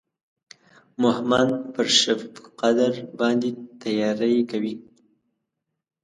مهمند پر شبقدر باندې تیاری کوي.